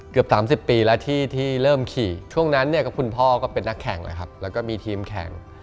เกือบ๓๐ปีแล้วที่เริ่มขี่ช่วงนั้นคุณพอก็เป็นนักแข่งแล้วก็มีทีมแข่ง